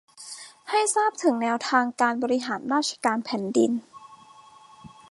ให้ทราบถึงแนวทางการบริหารราชการแผ่นดิน